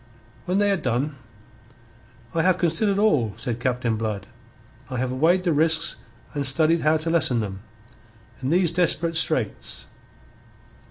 When they had done, "I have considered all," said Captain Blood. "I have weighed the risks and studied how to lessen them. In these desperate straits...."